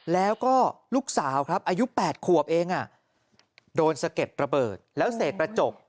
แล้วก็ลูกสาวครับอายุ๘ขวบเองโดนสะเก็ดระเบิดแล้วเศษกระจก